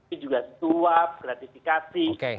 ini juga suap gratifikasi